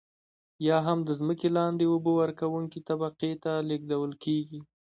یا هم د ځمکې لاندې اوبه ورکونکې طبقې ته لیږدول کیږي.